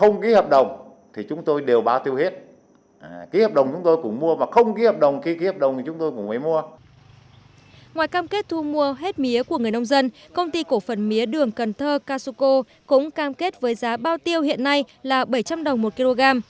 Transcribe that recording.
ngoài cam kết thu mua hết mía của người nông dân công ty cổ phần mía đường cần thơ casuco cũng cam kết với giá bao tiêu hiện nay là bảy trăm linh đồng một kg